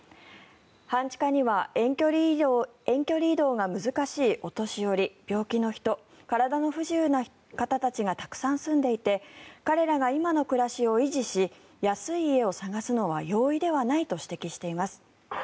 半地下には遠距離移動が難しいお年寄り、病気の人体の不自由な方たちがたくさん住んでいて彼らが今の暮らしを維持し安い家を探すのは容易ではないと指摘しています。